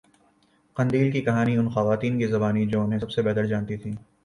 قندیل کی کہانی ان خواتین کی زبانی جو انہیں سب سےبہتر جانتی تھیں